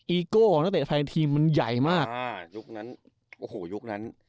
อีโก้ของตั้งแต่ภายในทีมมันใหญ่มาก